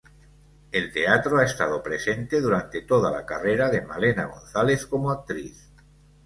El teatro ha estado presente durante toda la carrera de Malena González como actriz.